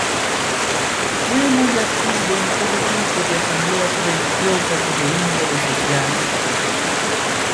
Fue muy activo en todo tipo de asambleas religiosas y de índole social.